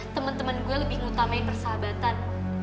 temen temen gue lebih ngutamain persahabatan